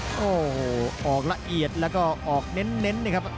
โอ้โหออกละเอียดแล้วก็ออกเน้นนะครับ